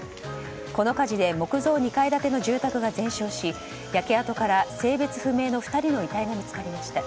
この火事で木造２階建ての住宅が全焼し焼け跡から性別不明の２人の遺体が見つかりました。